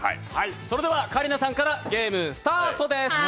それでは、香里奈さんからゲームスタートです。